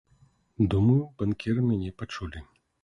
Думаю, банкіры мяне пачулі.